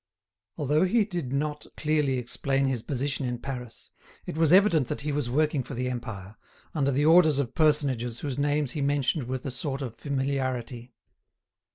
Although he did not clearly explain his position in Paris, it was evident that he was working for the Empire, under the orders of personages whose names he mentioned with a sort of familiarity.